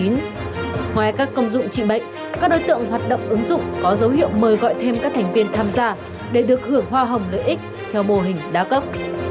ngoài các công dụng trị bệnh các đối tượng hoạt động ứng dụng có dấu hiệu mời gọi thêm các thành viên tham gia để được hưởng hoa hồng lợi ích theo mô hình đa cấp